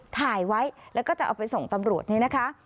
ถ่ายไว้แล้วก็จะเอาไปส่งตำรวจนี่นะคะ